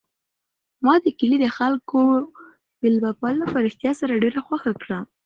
ما د کلي د خلکو مېلمه پالنه په رښتیا سره ډېره خوښه کړه.